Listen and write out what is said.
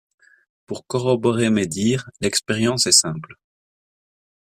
Pour corroborer mes dires, l’expérience est simple.